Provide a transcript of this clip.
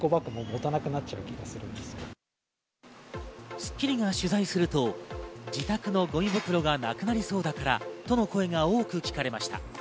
『スッキリ』が取材すると自宅のゴミ袋がなくなりそうだからとの声が多く聞かれました。